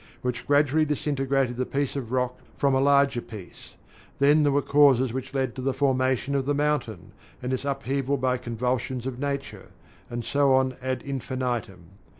which gradually disintegrated the piece of rock from a larger piece; then there were the causes which led to the formation of the mountain, and its upheaval by convulsions of nature, and so on ad infinitum.